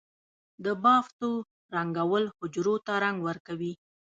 د بافتو رنگول حجرو ته رنګ ورکوي.